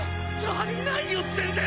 足りないよ全然！